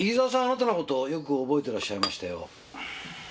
あなたの事よく覚えてらっしゃいましたよ。